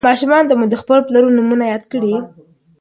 ایا ماشومانو ته مو د خپلو پلرونو نومونه یاد کړي؟